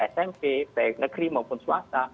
smb pn maupun swasta